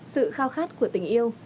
sự khao khát của tình yêu